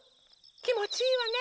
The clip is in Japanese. きもちいいわね！